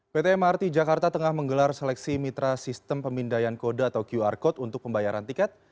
pt mrt jakarta tengah menggelar seleksi mitra sistem pemindaian kode atau qr code untuk pembayaran tiket